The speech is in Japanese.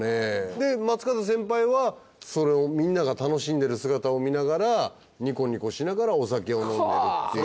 で松方先輩はそれをみんなが楽しんでる姿を見ながらニコニコしながらお酒を飲んでるっていう。